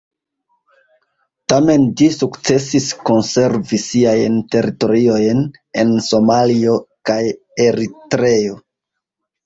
Tamen ĝi sukcesis konservi siajn teritoriojn en Somalio kaj Eritreo.